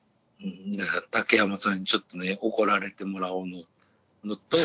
竹山さんにちょっとね怒られてもらおうのと。